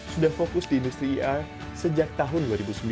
sudah fokus di industri er sejak tahun dua ribu sembilan